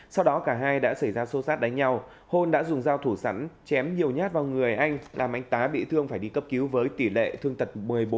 sau đó cả hai đã xảy ra xô xát đánh nhau hôn đã dùng dao thủ sắn chém nhiều nhát vào người anh làm anh tá bị thương phải đi cấp cứu với tỷ lệ thương tật một mươi bốn